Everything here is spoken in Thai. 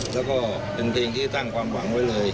แล้วก็เป็นเพลงที่ตั้งความหวังไว้เลย